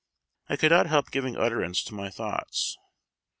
I could not help giving utterance to my thoughts.